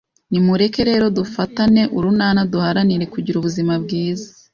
Nimureke rero dufatane urunana duharanire kugira ubuzima bwiza!